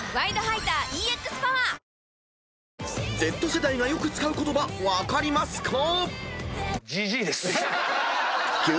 ［Ｚ世代がよく使う言葉分かりますか？］